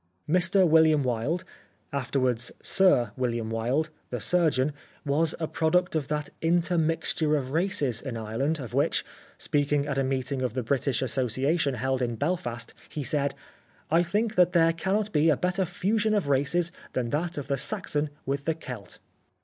Mr William Wilde (afterwards. Sir William Wilde), the surgeon, was a product of that intermixture of races in Ireland of which, speak ing at a meeting of the British Association held in Belfast, he said : "I think that there cannot be a better fusion of races than that of the Saxon with the Celt."